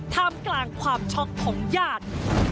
ท่ามกลางความช็อกของญาติ